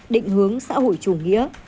định hướng xã hội chủ nghĩa